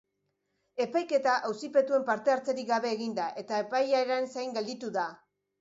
Epaiketa auzipetuen parte-hartzerik gabe egin da, eta epaiaren zain gelditu da.